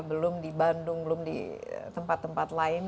belum di bandung belum di tempat tempat lain